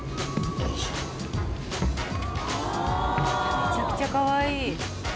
めちゃくちゃかわいい。